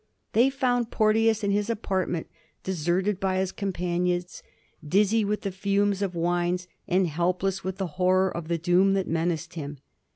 They found Porteous in his apartment, deserted by his companions, dizzy with the fumes of wines, and helpless with the horror of the doom that menaced him.